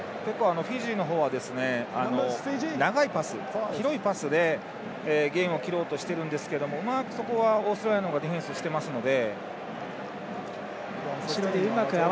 フィジーの方は、長いパス広いパスで、ゲインを切ろうとしてるんですけどうまく、そこはオーストラリアがディフェンスしてますので。